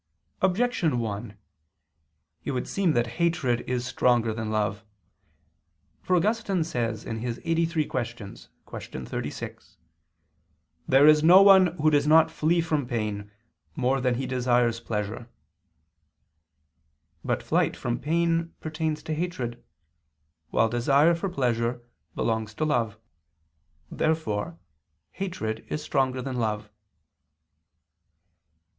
Objection 1: It would seem that hatred is stronger than love. For Augustine says (QQ. 83, qu. 36): "There is no one who does not flee from pain, more than he desires pleasure." But flight from pain pertains to hatred; while desire for pleasure belongs to love. Therefore hatred is stronger than love.